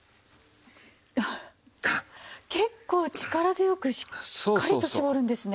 結構力強くしっかりと絞るんですね。